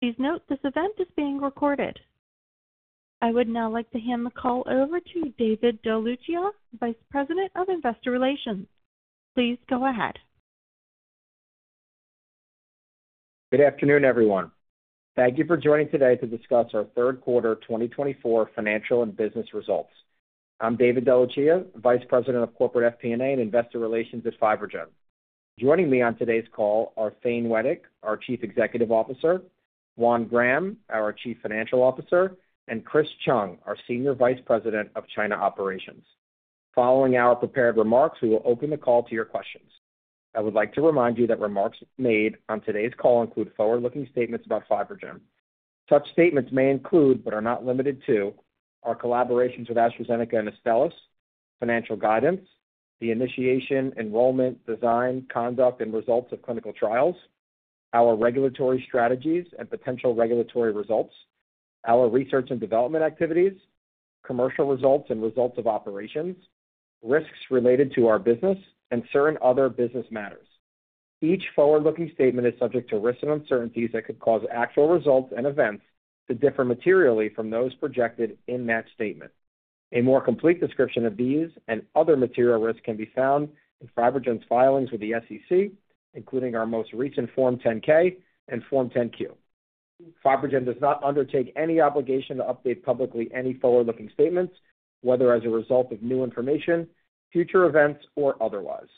Please note this event is being recorded. I would now like to hand the call over to David DeLucia, Vice President of Investor Relations. Please go ahead. Good afternoon, everyone. Thank you for joining today to discuss our third quarter 2024 financial and business results. I'm David DeLucia, Vice President of Corporate FP&A and Investor Relations at FibroGen. Joining me on today's call are Thane Wettig, our Chief Executive Officer, Juan Graham, our Chief Financial Officer, and Chris Chung, our Senior Vice President of China Operations. Following our prepared remarks, we will open the call to your questions. I would like to remind you that remarks made on today's call include forward-looking statements about FibroGen. Such statements may include, but are not limited to, our collaborations with AstraZeneca and Astellas, financial guidance, the initiation, enrollment, design, conduct, and results of clinical trials, our regulatory strategies and potential regulatory results, our research and development activities, commercial results and results of operations, risks related to our business, and certain other business matters. Each forward-looking statement is subject to risks and uncertainties that could cause actual results and events to differ materially from those projected in that statement. A more complete description of these and other material risks can be found in FibroGen's filings with the SEC, including our most recent Form 10-K and Form 10-Q. FibroGen does not undertake any obligation to update publicly any forward-looking statements, whether as a result of new information, future events, or otherwise.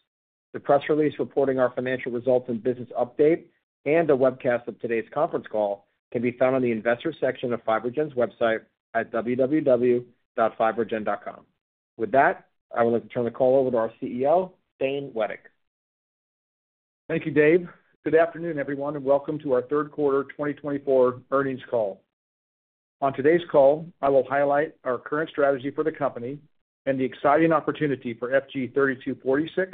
The press release reporting our financial results and business update and a webcast of today's conference call can be found on the Investor section of FibroGen's website at www.fibrogen.com. With that, I would like to turn the call over to our CEO, Thane Wettig. Thank you, Dave. Good afternoon, everyone, and welcome to our third quarter 2024 earnings call. On today's call, I will highlight our current strategy for the company and the exciting opportunity for FG-3246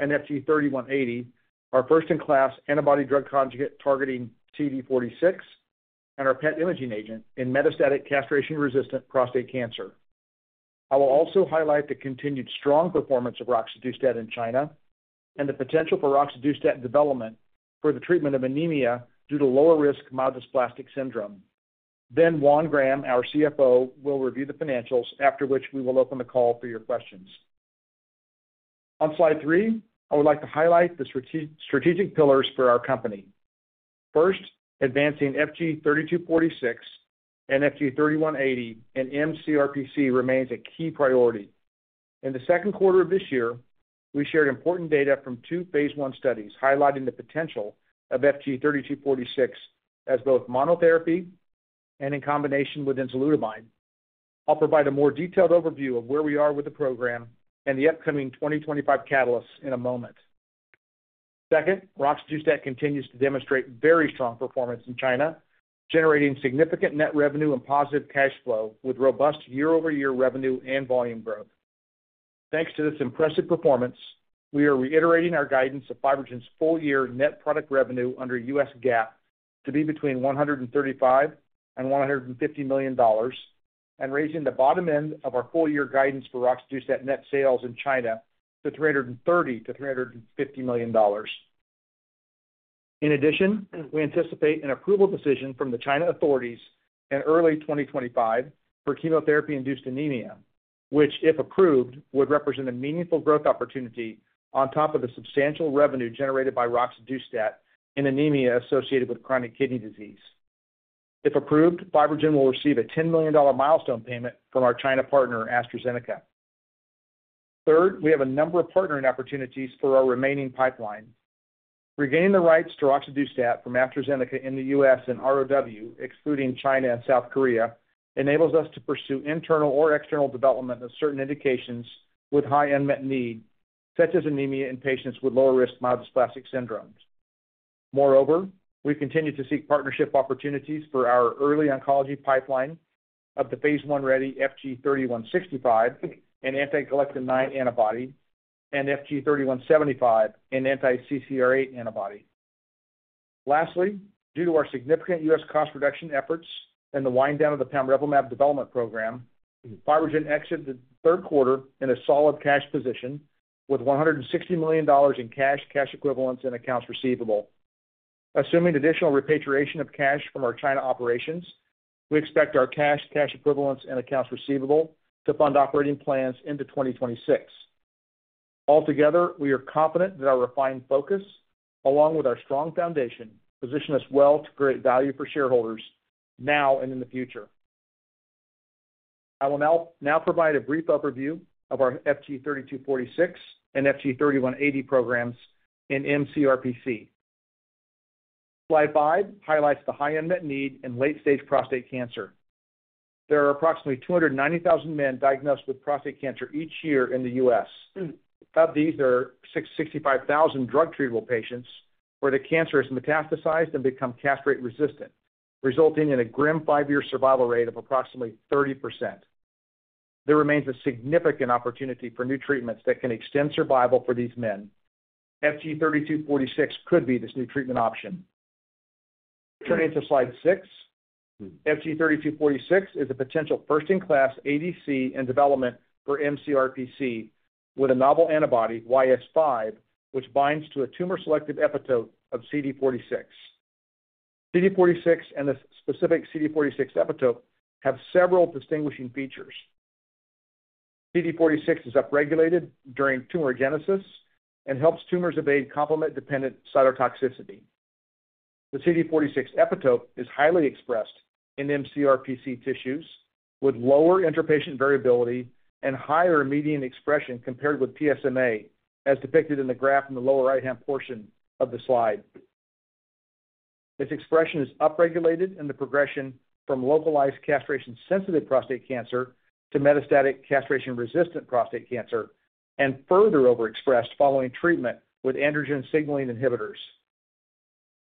and FG-3180, our first-in-class antibody drug conjugate targeting CD46, and our PET imaging agent in metastatic castration-resistant prostate cancer. I will also highlight the continued strong performance of Roxadustat in China and the potential for Roxadustat development for the treatment of anemia due to lower-risk myelodysplastic syndrome. Then Juan Graham, our CFO, will review the financials, after which we will open the call for your questions. On slide three, I would like to highlight the strategic pillars for our company. First, advancing FG-3246 and FG-3180 in mCRPC remains a key priority. In the second quarter of this year, we shared important data from two phase one studies highlighting the potential of FG-3246 as both monotherapy and in combination with enzalutamide. I'll provide a more detailed overview of where we are with the program and the upcoming 2025 catalysts in a moment. Second, Roxadustat continues to demonstrate very strong performance in China, generating significant net revenue and positive cash flow with robust year-over-year revenue and volume growth. Thanks to this impressive performance, we are reiterating our guidance of FibroGen's full-year net product revenue under U.S. GAAP to be between $135 and $150 million and raising the bottom end of our full-year guidance for Roxadustat net sales in China to $330–$350 million. In addition, we anticipate an approval decision from the China authorities in early 2025 for chemotherapy-induced anemia, which, if approved, would represent a meaningful growth opportunity on top of the substantial revenue generated by Roxadustat in anemia associated with chronic kidney disease. If approved, FibroGen will receive a $10 million milestone payment from our China partner, AstraZeneca. Third, we have a number of partnering opportunities for our remaining pipeline. Regaining the rights to Roxadustat from AstraZeneca in the U.S. and ROW, excluding China and South Korea, enables us to pursue internal or external development of certain indications with high unmet need, such as anemia in patients with lower-risk myelodysplastic syndromes. Moreover, we continue to seek partnership opportunities for our early oncology pipeline of the phase one-ready FG-3165 and anti-Galectin-9 antibody and FG-3175 and anti-CCR8 antibody. Lastly, due to our significant U.S. Cost reduction efforts and the wind-down of the Pamrevlumab development program, FibroGen exited the third quarter in a solid cash position with $160 million in cash, cash equivalents, and accounts receivable. Assuming additional repatriation of cash from our China operations, we expect our cash, cash equivalents, and accounts receivable to fund operating plans into 2026. Altogether, we are confident that our refined focus, along with our strong foundation, positions us well to create value for shareholders now and in the future. I will now provide a brief overview of our FG-3246 and FG-3180 programs in mCRPC. Slide five highlights the high unmet need in late-stage prostate cancer. There are approximately 290,000 men diagnosed with prostate cancer each year in the U.S. Of these, there are 65,000 drug-treatable patients where the cancer has metastasized and become castrate-resistant, resulting in a grim five-year survival rate of approximately 30%. There remains a significant opportunity for new treatments that can extend survival for these men. FG-3246 could be this new treatment option. Turning to slide six, FG-3246 is a potential first-in-class ADC in development for mCRPC with a novel antibody, YS5, which binds to a tumor-selective epitope of CD46. CD46 and the specific CD46 epitope have several distinguishing features. CD46 is upregulated during tumorigenesis and helps tumors evade complement-dependent cytotoxicity. The CD46 epitope is highly expressed in mCRPC tissues with lower interpatient variability and higher median expression compared with PSMA, as depicted in the graph in the lower right-hand portion of the slide. Its expression is upregulated in the progression from localized castration-sensitive prostate cancer to metastatic castration-resistant prostate cancer and further overexpressed following treatment with androgen signaling inhibitors,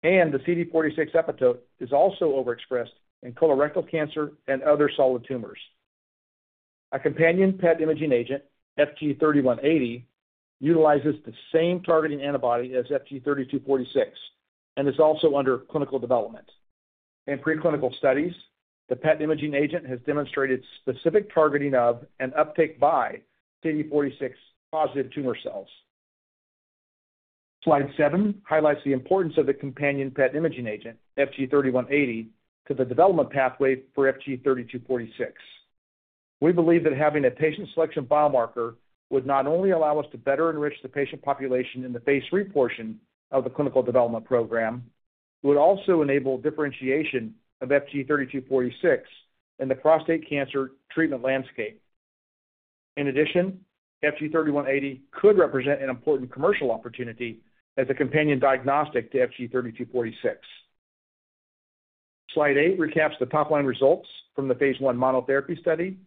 and the CD46 epitope is also overexpressed in colorectal cancer and other solid tumors. A companion PET imaging agent, FG-3180, utilizes the same targeting antibody as FG-3246 and is also under clinical development. In preclinical studies, the PET imaging agent has demonstrated specific targeting of and uptake by CD46-positive tumor cells. Slide seven highlights the importance of the companion PET imaging agent, FG-3180, to the development pathway for FG-3246. We believe that having a patient selection biomarker would not only allow us to better enrich the patient population in the phase three portion of the clinical development program, it would also enable differentiation of FG-3246 in the prostate cancer treatment landscape. In addition, FG-3180 could represent an important commercial opportunity as a companion diagnostic to FG-3246. Slide eight recaps the top-line results from the phase one monotherapy study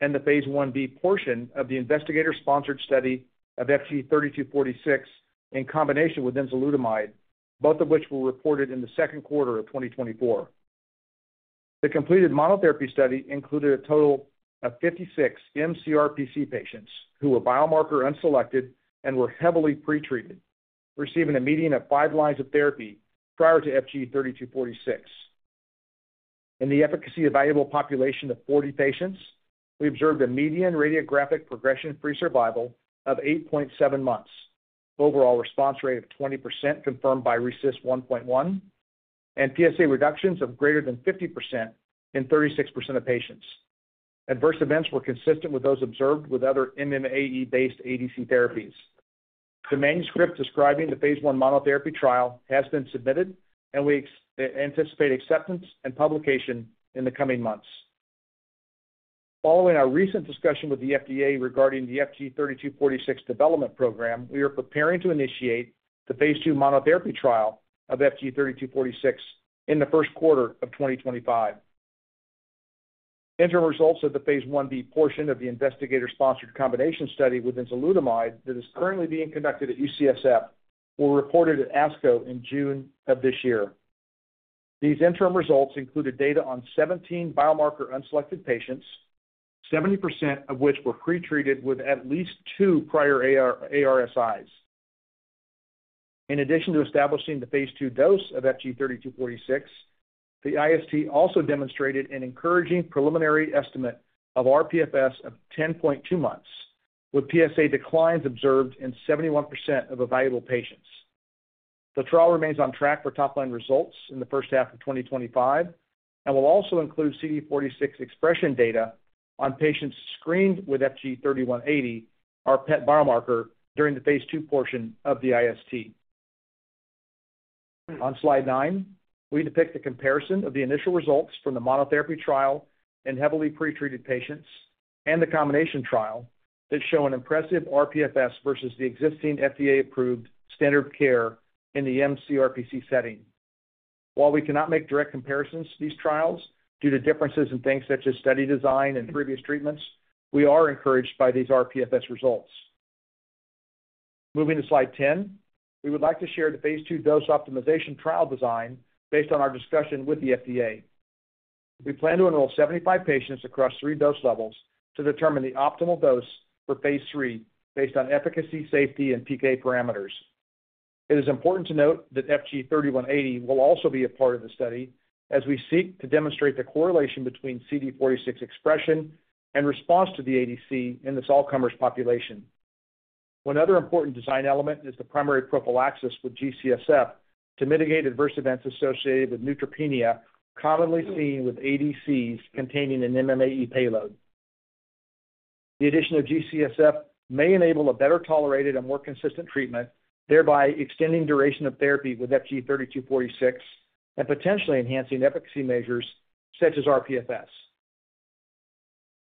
and the phase one-B portion of the investigator-sponsored study of FG-3246 in combination with enzalutamide, both of which were reported in the second quarter of 2024. The completed monotherapy study included a total of 56 MCRPC patients who were biomarker unselected and were heavily pretreated, receiving a median of five lines of therapy prior to FG-3246. In the efficacy-available population of 40 patients, we observed a median radiographic progression-free survival of 8.7 months, overall response rate of 20% confirmed by RECIST 1.1, and PSA reductions of greater than 50% in 36% of patients. Adverse events were consistent with those observed with other MMAE-based ADC therapies. The manuscript describing the phase one monotherapy trial has been submitted, and we anticipate acceptance and publication in the coming months. Following our recent discussion with the FDA regarding the FG-3246 development program, we are preparing to initiate the phase two monotherapy trial of FG-3246 in the first quarter of 2025. Interim results of the phase 1b portion of the investigator-sponsored combination study with enzalutamide that is currently being conducted at UCSF were reported at ASCO in June of this year. These interim results included data on 17 biomarker unselected patients, 70% of which were pretreated with at least two prior ARSIs. In addition to establishing the phase 2 dose of FG-3246, the IST also demonstrated an encouraging preliminary estimate of rPFS of 10.2 months, with PSA declines observed in 71% of available patients. The trial remains on track for top-line results in the first half of 2025 and will also include CD46 expression data on patients screened with FG-3180, our PET biomarker, during the phase 2 portion of the IST. On slide nine, we depict a comparison of the initial results from the monotherapy trial in heavily pretreated patients and the combination trial that show an impressive rPFS versus the existing FDA-approved standard of care in the mCRPC setting. While we cannot make direct comparisons to these trials due to differences in things such as study design and previous treatments, we are encouraged by these rPFS results. Moving to slide ten, we would like to share the phase two dose optimization trial design based on our discussion with the FDA. We plan to enroll 75 patients across three dose levels to determine the optimal dose for phase three based on efficacy, safety, and PK parameters. It is important to note that FG-3180 will also be a part of the study as we seek to demonstrate the correlation between CD46 expression and response to the ADC in this all-comers population. One other important design element is the primary prophylaxis with G-CSF to mitigate adverse events associated with neutropenia commonly seen with ADCs containing an MMAE payload. The addition of G-CSF may enable a better tolerated and more consistent treatment, thereby extending duration of therapy with FG-3246 and potentially enhancing efficacy measures such as rPFS.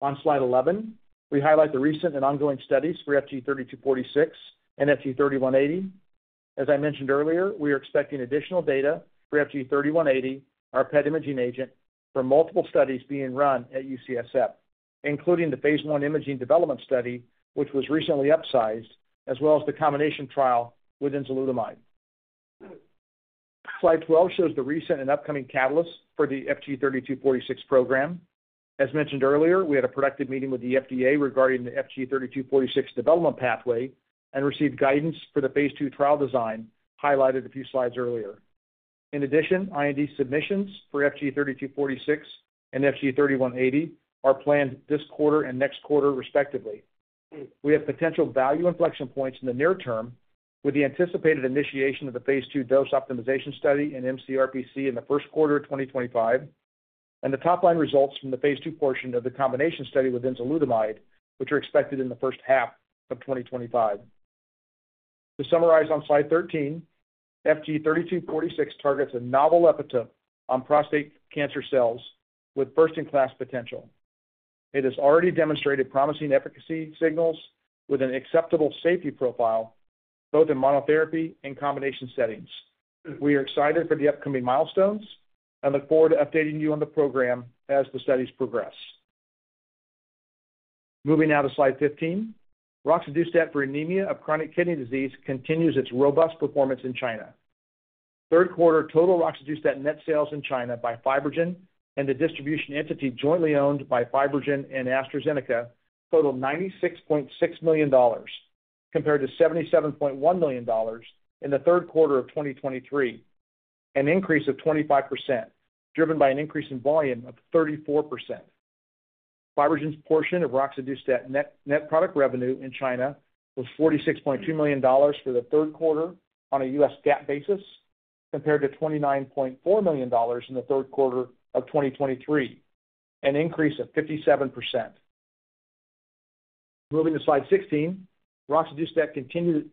On slide 11, we highlight the recent and ongoing studies for FG-3246 and FG-3180. As I mentioned earlier, we are expecting additional data for FG-3180, our PET imaging agent, from multiple studies being run at UCSF, including the phase one imaging development study, which was recently upsized, as well as the combination trial with enzalutamide. Slide 12 shows the recent and upcoming catalysts for the FG-3246 program. As mentioned earlier, we had a productive meeting with the FDA regarding the FG-3246 development pathway and received guidance for the phase two trial design highlighted a few slides earlier. In addition, IND submissions for FG-3246 and FG-3180 are planned this quarter and next quarter, respectively. We have potential value inflection points in the near term with the anticipated initiation of the phase two dose optimization study in mCRPC in the first quarter of 2025 and the top-line results from the phase two portion of the combination study with enzalutamide, which are expected in the first half of 2025. To summarize on slide 13, FG-3246 targets a novel epitope on prostate cancer cells with first-in-class potential. It has already demonstrated promising efficacy signals with an acceptable safety profile both in monotherapy and combination settings. We are excited for the upcoming milestones and look forward to updating you on the program as the studies progress. Moving now to slide 15, Roxadustat for anemia of chronic kidney disease continues its robust performance in China. Third quarter total Roxadustat net sales in China by FibroGen and the distribution entity jointly owned by FibroGen and AstraZeneca totaled $96.6 million compared to $77.1 million in the third quarter of 2023, an increase of 25% driven by an increase in volume of 34%. FibroGen's portion of Roxadustat net product revenue in China was $46.2 million for the third quarter on a U.S. GAAP basis compared to $29.4 million in the third quarter of 2023, an increase of 57%. Moving to slide 16, Roxadustat continued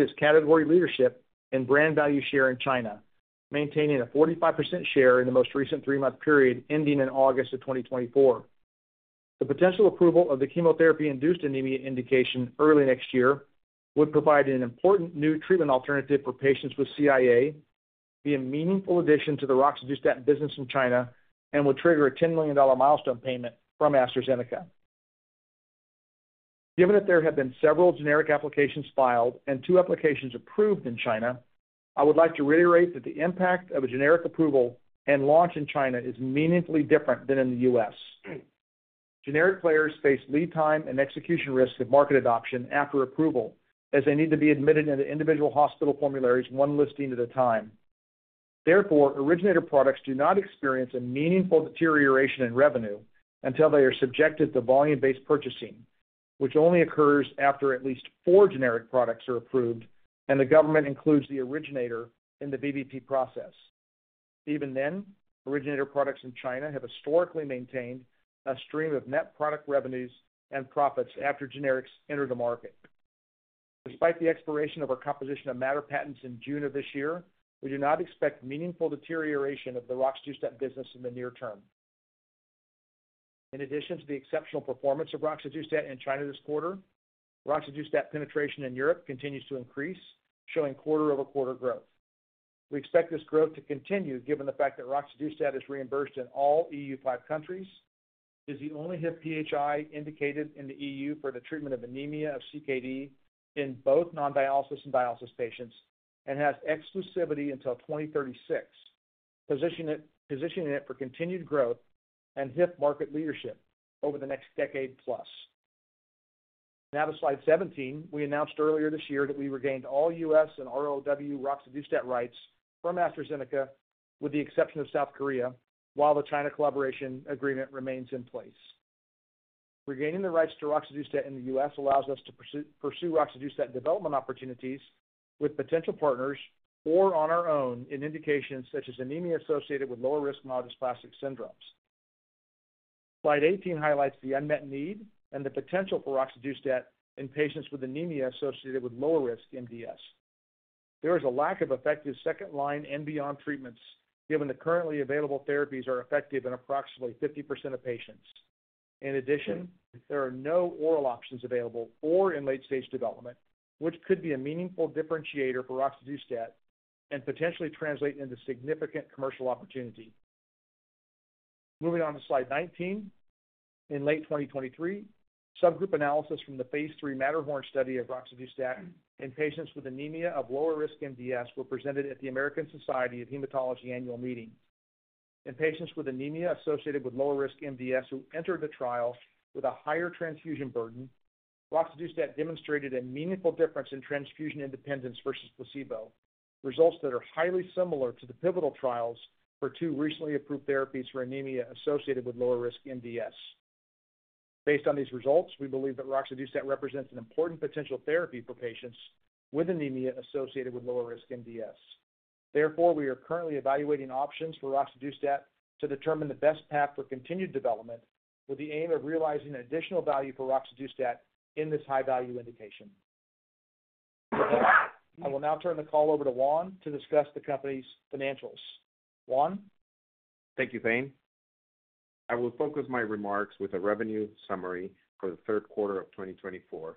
its category leadership in brand value share in China, maintaining a 45% share in the most recent three-month period ending in August of 2024. The potential approval of the chemotherapy-induced anemia indication early next year would provide an important new treatment alternative for patients with CIA, be a meaningful addition to the Roxadustat business in China, and would trigger a $10 million milestone payment from AstraZeneca. Given that there have been several generic applications filed and two applications approved in China, I would like to reiterate that the impact of a generic approval and launch in China is meaningfully different than in the U.S. Generic players face lead time and execution risk of market adoption after approval, as they need to be admitted into individual hospital formularies one listing at a time. Therefore, originator products do not experience a meaningful deterioration in revenue until they are subjected to volume-based purchasing, which only occurs after at least four generic products are approved and the government includes the originator in the VBP process. Even then, originator products in China have historically maintained a stream of net product revenues and profits after generics enter the market. Despite the expiration of our composition of matter patents in June of this year, we do not expect meaningful deterioration of the Roxadustat business in the near term. In addition to the exceptional performance of Roxadustat in China this quarter, Roxadustat penetration in Europe continues to increase, showing quarter-over-quarter growth. We expect this growth to continue given the fact that Roxadustat is reimbursed in all EU five countries, is the only HIF-PHI indicated in the EU for the treatment of anemia of CKD in both non-dialysis and dialysis patients, and has exclusivity until 2036, positioning it for continued growth and HIF market leadership over the next decade plus. Now to slide 17, we announced earlier this year that we regained all U.S. and ROW Roxadustat rights from AstraZeneca with the exception of South Korea, while the China collaboration agreement remains in place. Regaining the rights to Roxadustat in the U.S. allows us to pursue Roxadustat development opportunities with potential partners or on our own in indications such as anemia associated with lower-risk myelodysplastic syndromes. Slide 18 highlights the unmet need and the potential for Roxadustat in patients with anemia associated with lower-risk MDS. There is a lack of effective second-line and beyond treatments given the currently available therapies are effective in approximately 50% of patients. In addition, there are no oral options available or in late-stage development, which could be a meaningful differentiator for Roxadustat and potentially translate into significant commercial opportunity. Moving on to slide 19, in late 2023, subgroup analysis from the phase 3 Matterhorn study of Roxadustat in patients with anemia of lower-risk MDS were presented at the American Society of Hematology annual meeting. In patients with anemia associated with lower-risk MDS who entered the trial with a higher transfusion burden, Roxadustat demonstrated a meaningful difference in transfusion independence versus placebo, results that are highly similar to the pivotal trials for two recently approved therapies for anemia associated with lower-risk MDS. Based on these results, we believe that Roxadustat represents an important potential therapy for patients with anemia associated with lower-risk MDS. Therefore, we are currently evaluating options for Roxadustat to determine the best path for continued development with the aim of realizing additional value for Roxadustat in this high-value indication. I will now turn the call over to Juan to discuss the company's financials. Juan. Thank you, Thane. I will focus my remarks with a revenue summary for the third quarter of 2024,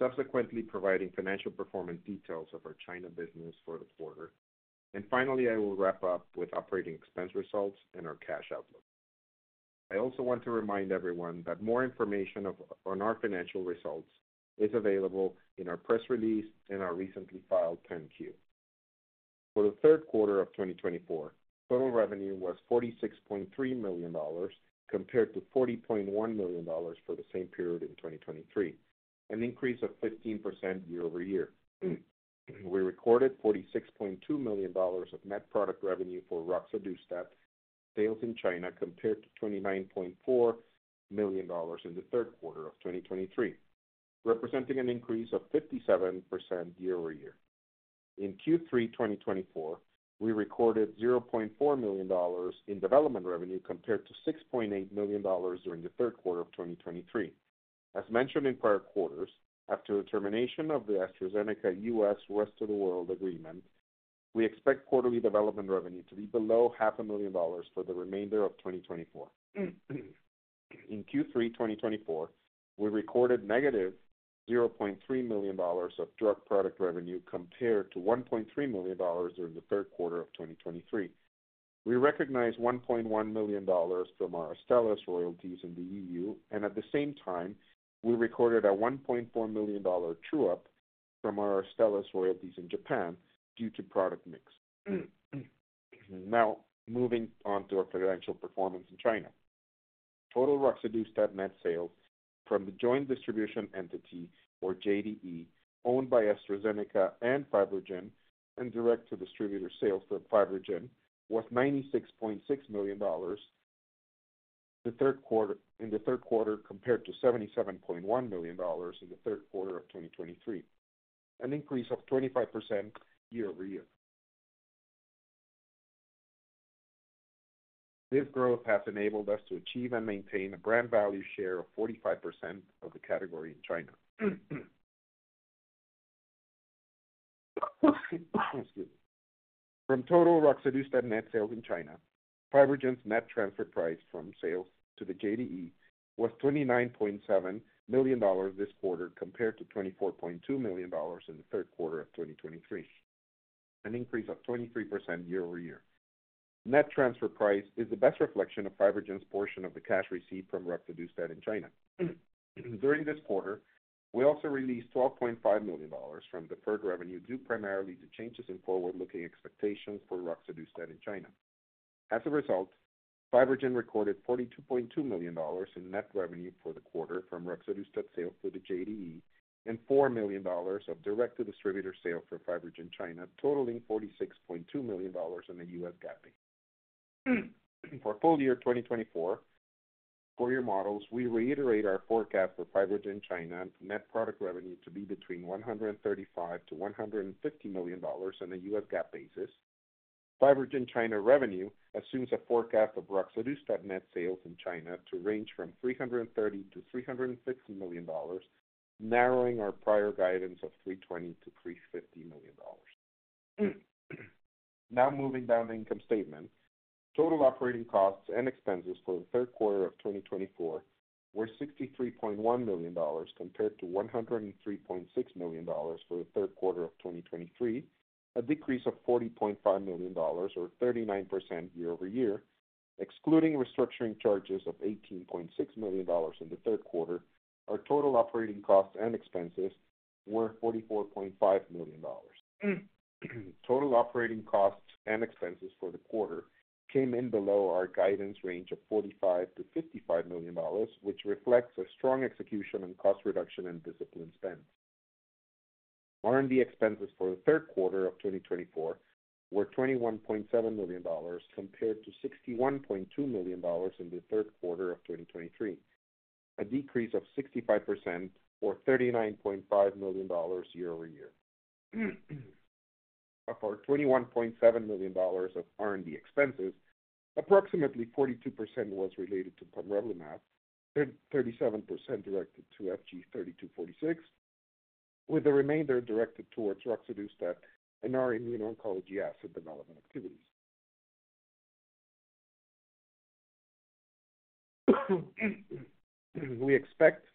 subsequently providing financial performance details of our China business for the quarter, and finally, I will wrap up with operating expense results and our cash outlook. I also want to remind everyone that more information on our financial results is available in our press release and our recently filed 10-Q. For the third quarter of 2024, total revenue was $46.3 million compared to $40.1 million for the same period in 2023, an increase of 15% year-over-year. We recorded $46.2 million of net product revenue for Roxadustat sales in China compared to $29.4 million in the third quarter of 2023, representing an increase of 57% year-over-year. In Q3 2024, we recorded $0.4 million in development revenue compared to $6.8 million during the third quarter of 2023. As mentioned in prior quarters, after the termination of the AstraZeneca U.S. rest of the world agreement, we expect quarterly development revenue to be below $500,000 for the remainder of 2024. In Q3 2024, we recorded negative $0.3 million of drug product revenue compared to $1.3 million during the third quarter of 2023. We recognize $1.1 million from our Astellas royalties in the EU, and at the same time, we recorded a $1.4 million true-up from our Astellas royalties in Japan due to product mix. Now, moving on to our financial performance in China. Total Roxadustat net sales from the joint distribution entity, or JDE, owned by AstraZeneca and FibroGen and direct-to-distributor sales from FibroGen was $96.6 million in the third quarter compared to $77.1 million in the third quarter of 2023, an increase of 25% year-over-year. This growth has enabled us to achieve and maintain a brand value share of 45% of the category in China. Excuse me. From total Roxadustat net sales in China, FibroGen's net transfer price from sales to the JV was $29.7 million this quarter compared to $24.2 million in the third quarter of 2023, an increase of 23% year-over-year. Net transfer price is the best reflection of FibroGen's portion of the cash received from Roxadustat in China. During this quarter, we also released $12.5 million from deferred revenue due primarily to changes in forward-looking expectations for Roxadustat in China. As a result, FibroGen recorded $42.2 million in net revenue for the quarter from Roxadustat sales to the JV and $4 million of direct-to-distributor sales for FibroGen China, totaling $46.2 million in the U.S. GAAP basis. For full year 2024, four-year models, we reiterate our forecast for FibroGen China net product revenue to be between $135–$150 million on a U.S. GAAP basis. FibroGen China revenue assumes a forecast of Roxadustat net sales in China to range from $330-$350 million, narrowing our prior guidance of $320–$350 million. Now, moving down the income statement, total operating costs and expenses for the third quarter of 2024 were $63.1 million compared to $103.6 million for the third quarter of 2023, a decrease of $40.5 million, or 39% year-over-year, excluding restructuring charges of $18.6 million in the third quarter. Our total operating costs and expenses were $44.5 million. Total operating costs and expenses for the quarter came in below our guidance range of $45–$55 million, which reflects a strong execution and cost reduction in discipline spend. R&D expenses for the third quarter of 2024 were $21.7 million compared to $61.2 million in the third quarter of 2023, a decrease of 65%, or $39.5 million year-over-year. Of our $21.7 million of R&D expenses, approximately 42% was related to Pamrevlumab, 37% directed to FG-3246, with the remainder directed towards Roxadustat in our immuno-oncology asset development activities. We expect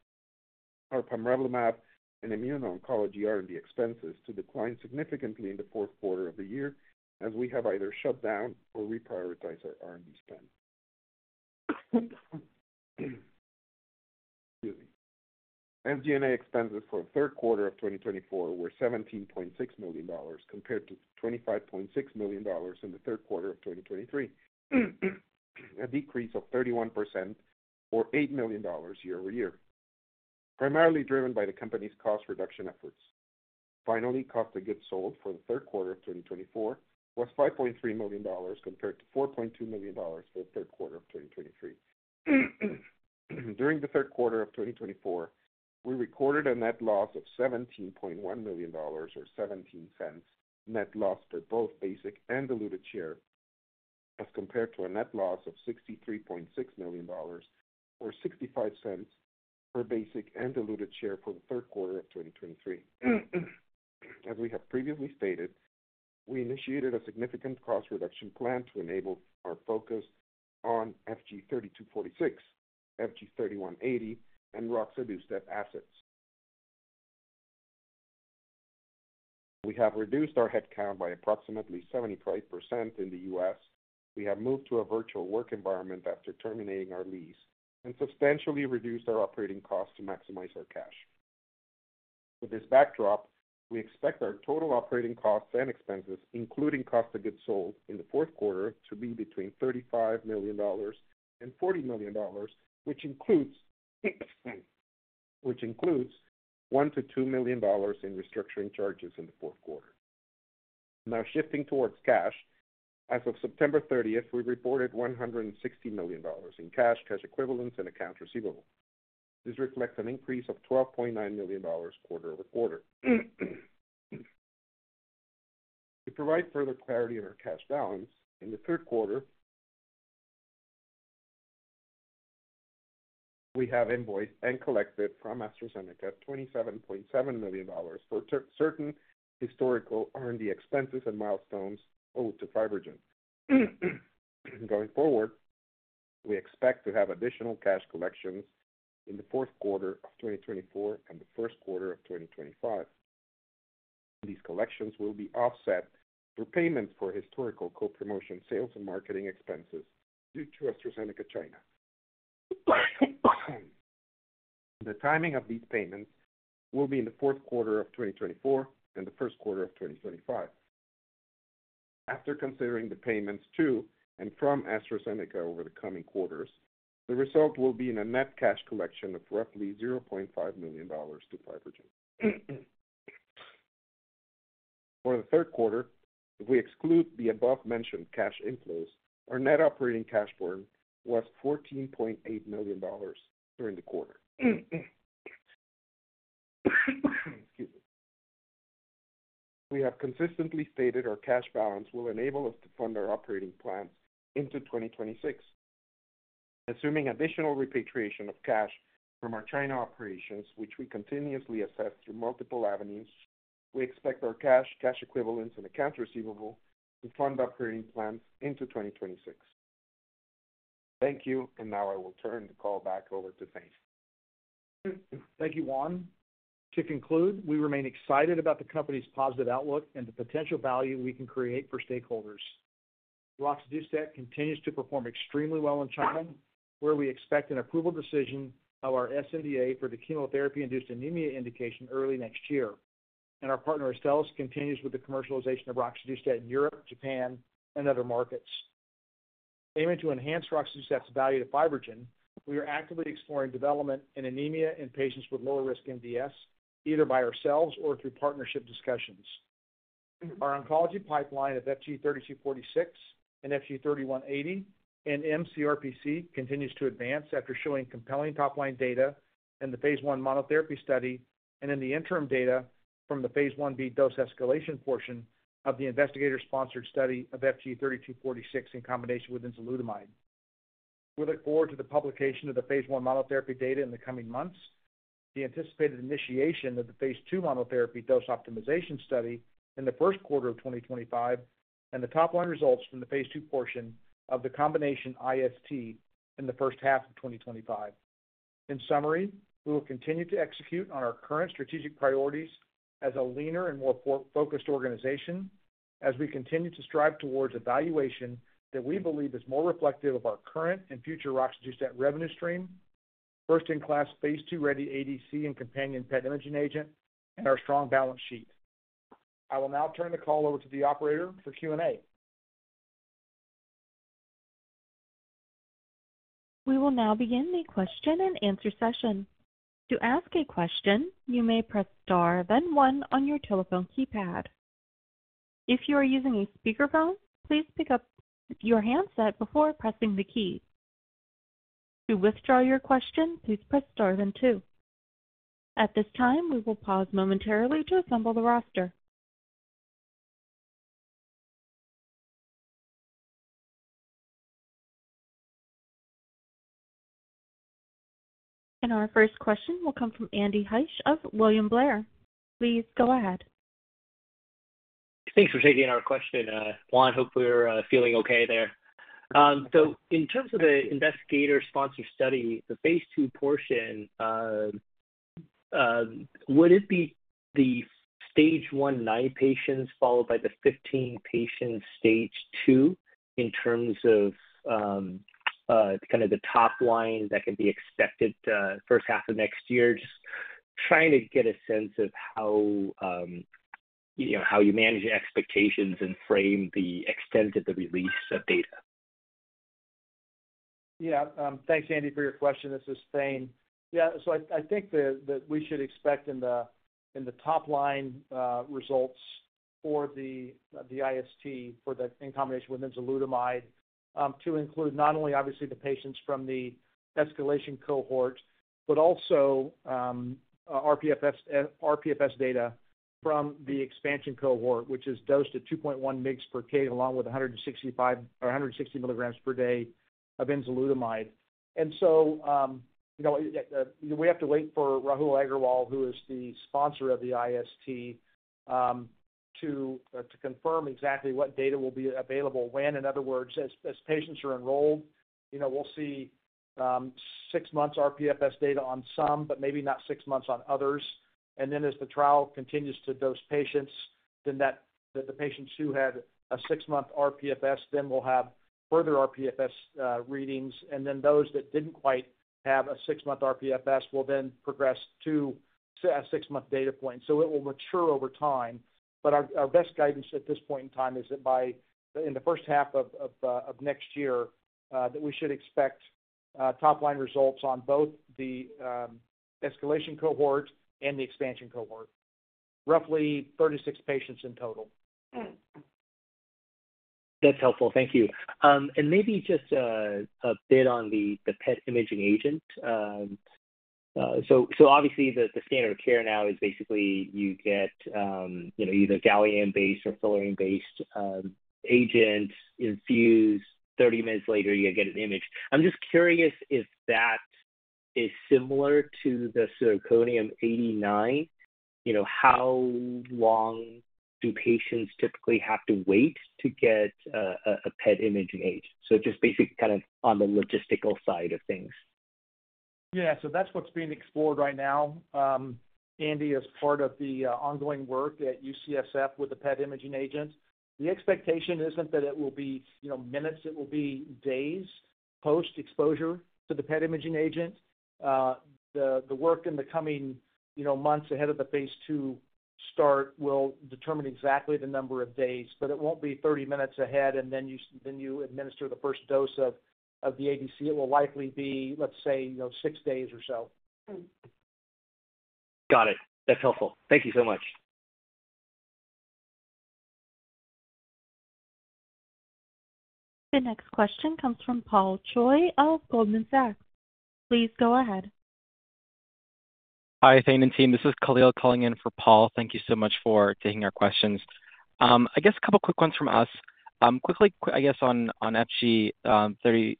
our Pamrevlumab and immuno-oncology R&D expenses to decline significantly in the fourth quarter of the year as we have either shut down or reprioritized our R&D spend. Excuse me. SG&A expenses for the third quarter of 2024 were $17.6 million compared to $25.6 million in the third quarter of 2023, a decrease of 31%, or $8 million year-over-year, primarily driven by the company's cost reduction efforts. Finally, cost of goods sold for the third quarter of 2024 was $5.3 million compared to $4.2 million for the third quarter of 2023. During the third quarter of 2024, we recorded a net loss of $17.1 million, or $0.17, net loss for both basic and diluted share as compared to a net loss of $63.6 million, or $0.65, per basic and diluted share for the third quarter of 2023. As we have previously stated, we initiated a significant cost reduction plan to enable our focus on FG-3246, FG-3180, and Roxadustat assets. We have reduced our headcount by approximately 75% in the U.S. We have moved to a virtual work environment after terminating our lease and substantially reduced our operating costs to maximize our cash. With this backdrop, we expect our total operating costs and expenses, including cost of goods sold in the fourth quarter, to be between $35 million and $40 million, which includes $1-$2 million in restructuring charges in the fourth quarter. Now, shifting towards cash, as of September 30th, we reported $160 million in cash, cash equivalents, and accounts receivable. This reflects an increase of $12.9 million quarter over quarter. To provide further clarity on our cash balance, in the third quarter, we have invoiced and collected from AstraZeneca $27.7 million for certain historical R&D expenses and milestones owed to FibroGen. Going forward, we expect to have additional cash collections in the fourth quarter of 2024 and the first quarter of 2025. These collections will be offset through payments for historical co-promotion sales and marketing expenses due to AstraZeneca China. The timing of these payments will be in the fourth quarter of 2024 and the first quarter of 2025. After considering the payments to and from AstraZeneca over the coming quarters, the result will be in a net cash collection of roughly $0.5 million to FibroGen. For the third quarter, if we exclude the above-mentioned cash inflows, our net operating cash burn was $14.8 million during the quarter. Excuse me. We have consistently stated our cash balance will enable us to fund our operating plans into 2026. Assuming additional repatriation of cash from our China operations, which we continuously assess through multiple avenues, we expect our cash, cash equivalents, and accounts receivable to fund operating plans into 2026. Thank you, and now I will turn the call back over to Thane. Thank you, Juan. To conclude, we remain excited about the company's positive outlook and the potential value we can create for stakeholders. Roxadustat continues to perform extremely well in China, where we expect an approval decision of our sNDA for the chemotherapy-induced anemia indication early next year. And our partner Astellas continues with the commercialization of Roxadustat in Europe, Japan, and other markets. Aiming to enhance Roxadustat's value to FibroGen, we are actively exploring development in anemia in patients with lower-risk MDS, either by ourselves or through partnership discussions. Our oncology pipeline of FG-3246 and FG-3180 and mCRPC continues to advance after showing compelling top-line data in the phase one monotherapy study and in the interim data from the phase one B dose escalation portion of the investigator-sponsored study of FG-3246 in combination with enzalutamide. We look forward to the publication of the phase one monotherapy data in the coming months, the anticipated initiation of the phase two monotherapy dose optimization study in the first quarter of 2025, and the top-line results from the phase two portion of the combination IST in the first half of 2025. In summary, we will continue to execute on our current strategic priorities as a leaner and more focused organization as we continue to strive towards a valuation that we believe is more reflective of our current and future Roxadustat revenue stream, first-in-class phase two-ready ADC and companion PET imaging agent, and our strong balance sheet. I will now turn the call over to the operator for Q&A. We will now begin the question-and-answer session. To ask a question, you may press star, then one on your telephone keypad. If you are using a speakerphone, please pick up your handset before pressing the key. To withdraw your question, please press star, then two. At this time, we will pause momentarily to assemble the roster. Our first question will come from Andy Hsieh of William Blair. Please go ahead. Thanks for taking our question, Juan. Hope we're feeling okay there. So in terms of the investigator-sponsored study, the phase two portion, would it be the stage one nine patients followed by the 15 patients stage two in terms of kind of the top line that can be expected first half of next year? Just trying to get a sense of how you manage expectations and frame the extent of the release of data. Yeah. Thanks, Andy, for your question. This is Thane. Yeah. So I think that we should expect in the top-line results for the IST in combination with enzalutamide to include not only, obviously, the patients from the escalation cohort, but also rPFS data from the expansion cohort, which is dosed at 2.1 mg per kg along with 160 milligrams per day of enzalutamide. And so we have to wait for Rahul Aggarwal, who is the sponsor of the IST, to confirm exactly what data will be available when. In other words, as patients are enrolled, we'll see six months rPFS data on some, but maybe not six months on others. And then as the trial continues to dose patients, then the patients who had a six-month rPFS then will have further rPFS readings. And then those that didn't quite have a six-month rPFS will then progress to a six-month data point. So it will mature over time. Our best guidance at this point in time is that by the first half of next year that we should expect top-line results on both the escalation cohort and the expansion cohort, roughly 36 patients in total. That's helpful. Thank you. Maybe just a bit on the PET imaging agent. So obviously, the standard of care now is basically you get either gallium-based or fluorine-based agent infused. 30 minutes later, you get an image. I'm just curious if that is similar to the zirconium-89. How long do patients typically have to wait to get a PET imaging agent? So just basically kind of on the logistical side of things. Yeah. So that's what's being explored right now, Andy, as part of the ongoing work at UCSF with the PET imaging agent. The expectation isn't that it will be minutes. It will be days post-exposure to the PET imaging agent. The work in the coming months ahead of the phase 2 start will determine exactly the number of days, but it won't be 30 minutes ahead and then you administer the first dose of the ADC. It will likely be, let's say, six days or so. Got it. That's helpful. Thank you so much. The next question comes from Paul Choi of Goldman Sachs. Please go ahead. Hi, Thane and team. This is Khalil calling in for Paul. Thank you so much for taking our questions. I guess a couple of quick ones from us. Quickly, I guess, on FG-3246,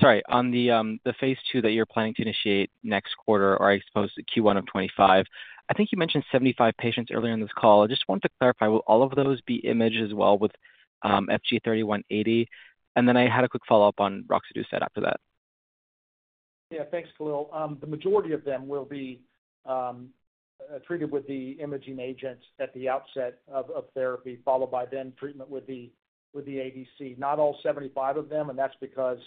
sorry, on the phase 2 that you're planning to initiate next quarter, or I suppose Q1 of 2025. I think you mentioned 75 patients earlier in this call. I just wanted to clarify, will all of those be imaged as well with FG-3180? And then I had a quick follow-up on Roxadustat after that. Yeah. Thanks, Khalil. The majority of them will be treated with the imaging agent at the outset of therapy, followed by then treatment with the ADC. Not all 75 of them, and that's because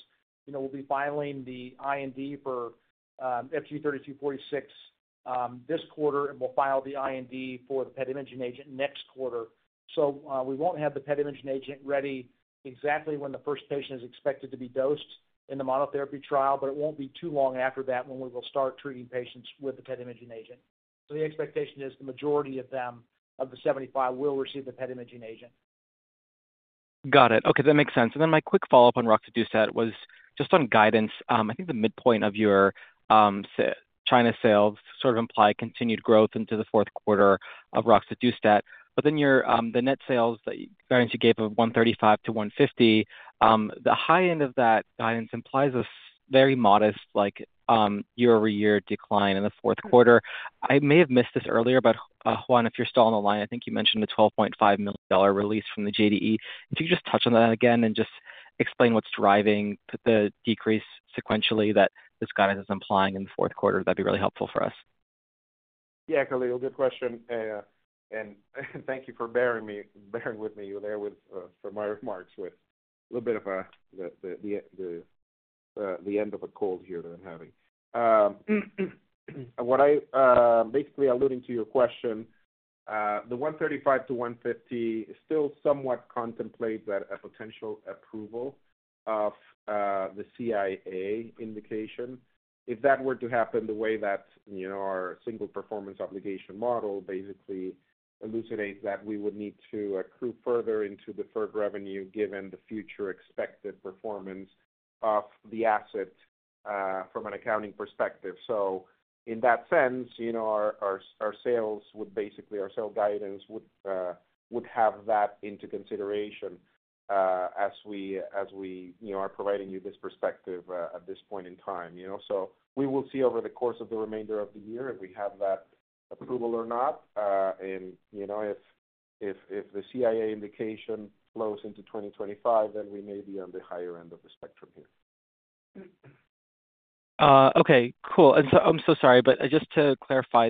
we'll be filing the IND for FG-3246 this quarter, and we'll file the IND for the PET imaging agent next quarter. So we won't have the PET imaging agent ready exactly when the first patient is expected to be dosed in the monotherapy trial, but it won't be too long after that when we will start treating patients with the PET imaging agent. So the expectation is the majority of them of the 75 will receive the PET imaging agent. Got it. Okay. That makes sense. And then my quick follow-up on Roxadustat was just on guidance. I think the midpoint of your China sales sort of implied continued growth into the fourth quarter of Roxadustat. But then the net sales guidance you gave of 135-150, the high end of that guidance implies a very modest year-over-year decline in the fourth quarter. I may have missed this earlier, but Juan, if you're still on the line, I think you mentioned the $12.5 million release from the JDE. If you could just touch on that again and just explain what's driving the decrease sequentially that this guidance is implying in the fourth quarter, that'd be really helpful for us. Yeah, Khalil. Good question. And thank you for bearing with me there with my remarks with a little bit of the end of a cold here that I'm having. Basically, alluding to your question, the 135-150 still somewhat contemplates a potential approval of the CIA indication. If that were to happen the way that our single performance obligation model basically elucidates that, we would need to accrue further into the FGEN revenue given the future expected performance of the asset from an accounting perspective. So in that sense, our sales would basically, our sales guidance would have that into consideration as we are providing you this perspective at this point in time. So we will see over the course of the remainder of the year if we have that approval or not. And if the CIA indication flows into 2025, then we may be on the higher end of the spectrum here. Okay. Cool. I'm so sorry, but just to clarify,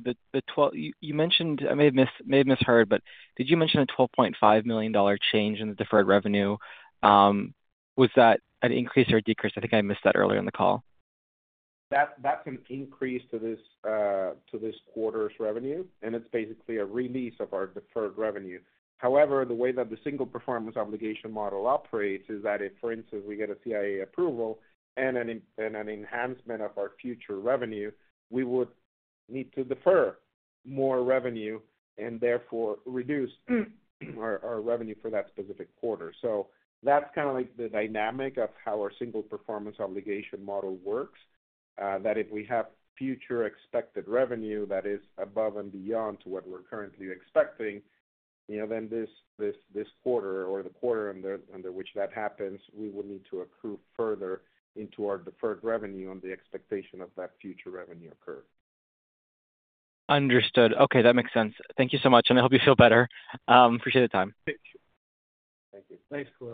you mentioned. I may have misheard, but did you mention a $12.5 million change in the deferred revenue? Was that an increase or a decrease? I think I missed that earlier in the call. That's an increase to this quarter's revenue, and it's basically a release of our deferred revenue. However, the way that the single performance obligation model operates is that if, for instance, we get a CIA approval and an enhancement of our future revenue, we would need to defer more revenue and therefore reduce our revenue for that specific quarter. So that's kind of the dynamic of how our single performance obligation model works, that if we have future expected revenue that is above and beyond what we're currently expecting, then this quarter or the quarter under which that happens, we will need to accrue further into our deferred revenue on the expectation of that future revenue occurring. Understood. Okay. That makes sense. Thank you so much, and I hope you feel better. Appreciate the time. Thank you. Thanks for.